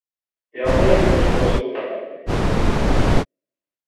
E agora imos coa segunda parte.